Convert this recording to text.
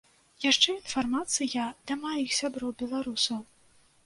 Яшчэ інфармацыя для маіх сяброў беларусаў!